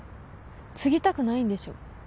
継ぎたくないんでしょ？